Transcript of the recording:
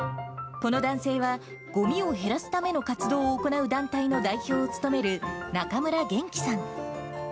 この男性は、ごみを減らすための活動を行う団体の代表を務める、中村元気さん。